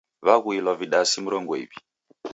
Waghuilwa vidasi mrongo iw'i.